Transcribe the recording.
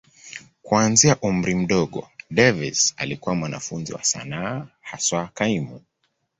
Kuanzia umri mdogo, Davis alikuwa mwanafunzi wa sanaa, haswa kaimu.